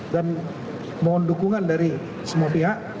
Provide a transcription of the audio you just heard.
dan mohon dukungan dari semua pihak